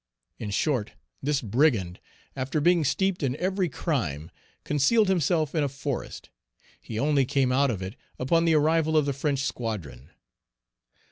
In short, this brigand, after being steeped in every crime, concealed himself in a forest; he only came out of it upon the arrival of the French squadron.